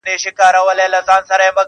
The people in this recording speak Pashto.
• هم سپرلي او هم ګلان په ګاڼو ولي,